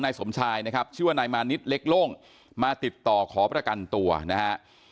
นายสมชายนะครับชื่อว่านายมานิดเล็กโล่งมาติดต่อขอประกันตัวนะฮะ